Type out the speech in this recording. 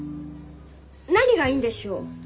何がいいんでしょう？